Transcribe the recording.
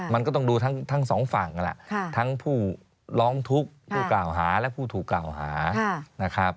มันก็ต้องดูทั้งสองฝั่งทั้งผู้ร้องทุกข์ผู้กล่าวหาและผู้ถูกกล่าวหา